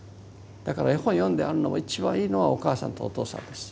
だから絵本読んでやるのも一番いいのはお母さんとお父さんです。